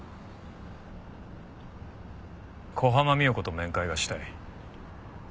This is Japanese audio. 小浜三代子と面会がしたい。